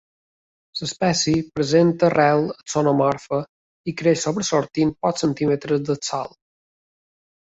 L'espècie presenta arrel axonomorfa i creix sobresortint pocs centímetres del sòl.